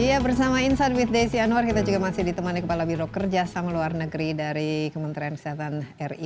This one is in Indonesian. ya bersama insight with desi anwar kita juga masih ditemani kepala biro kerja saham luar negeri dari kementerian kesehatan ri